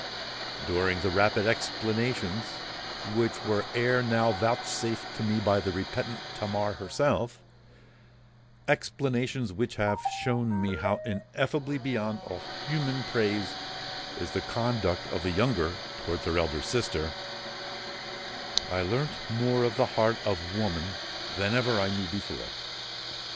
During the rapid explanations which were ere now vouchsafed to me by the repentant Tamar herself,—explanations which have shown me how ineffably beyond all human praise is the conduct of the younger towards her elder sister,—I learnt more of the heart of woman than ever I knew before.